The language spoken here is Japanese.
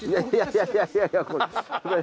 いやいやいやいや！